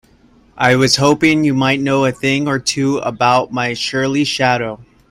I was hoping you might know a thing or two about my surly shadow?